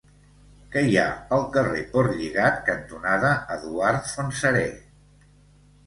Què hi ha al carrer Portlligat cantonada Eduard Fontserè?